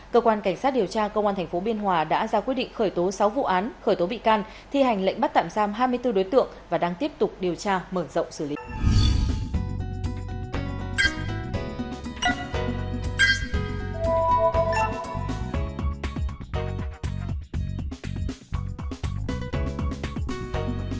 cơ quan cảnh sát điều tra công an thành phố biên hòa đã ra quyết định khởi tố sáu vụ án khởi tố bị can thi hành lệnh bắt tạm giam hai mươi bốn đối tượng và đang tiếp tục điều tra mở rộng xử lý